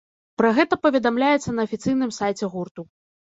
Пра гэта паведамляецца на афіцыйным сайце гурту.